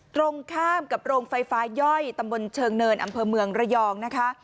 ตรงข้ามกับโรงไฟฟ้าย่อยตำบลเชิงเนินอำเภอเมืองระยองนะคะ